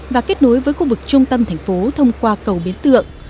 và kết nối với khu vực trung tâm thành phố thông qua cầu biến tượng